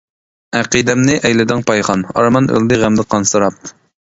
ئەقىدەمنى ئەيلىدىڭ پايخان، ئارمان ئۆلدى غەمدە قانسىراپ.